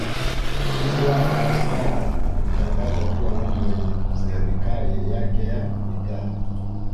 Mji wa Dar es Salaam ulitangazwa kuwa mji wenye Serikali yake ya Mitaa